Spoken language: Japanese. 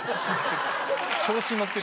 調子乗ってる。